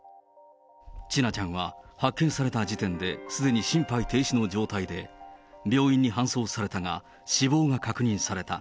千奈ちゃんは発見された時点で、すでに心肺停止の状態で、病院に搬送されたが、死亡が確認された。